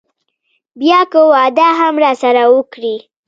بيا که واده هم راسره وکړي.